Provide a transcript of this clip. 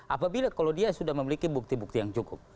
apabila kalau dia sudah memiliki bukti bukti yang cukup